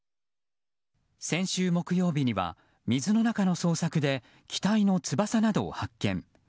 先週木曜日には水の中の捜索で機体の翼などを発見。